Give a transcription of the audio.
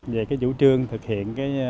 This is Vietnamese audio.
về chủ trương thực hiện